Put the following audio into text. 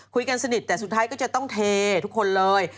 สนิทแต่สุดท้ายก็จะต้องเททุกคนเลย